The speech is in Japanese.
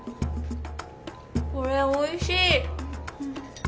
これおいしい！